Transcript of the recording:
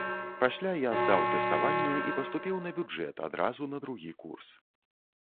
Пасля я здаў тэставанне і паступіў на бюджэт, адразу на другі курс.